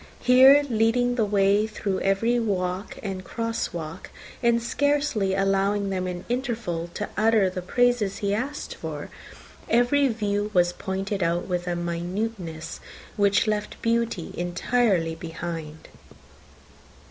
Here, leading the way through every walk and cross walk, and scarcely allowing them an interval to utter the praises he asked for, every view was pointed out with a minuteness which left beauty entirely behind.